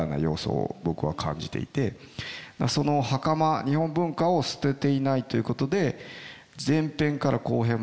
その袴日本文化を捨てていないということで前編から後編まで袴は着続けてるんですよ